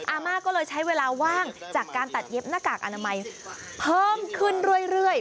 อาม่าก็เลยใช้เวลาว่างจากการตัดเย็บหน้ากากอนามัยเพิ่มขึ้นเรื่อย